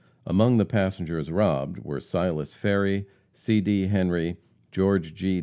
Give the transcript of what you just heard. Among the passengers robbed, were Silas Ferry, C. D. Henry, Geo. G.